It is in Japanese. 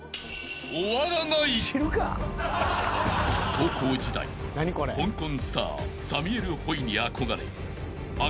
［高校時代香港スターサミュエル・ホイに憧れ］